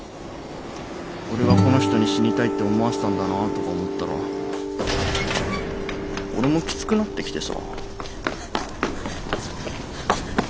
俺がこの人に死にたいって思わせたんだなとか思ったら俺もきつくなってきてさ。